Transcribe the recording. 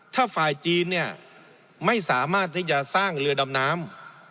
ถ้าฝ่ายจีนเนี่ยไม่สามารถที่จะสร้างเรือดำน้ำ